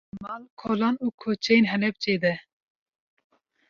Li mal, kolan û kuçeyên Helepçê de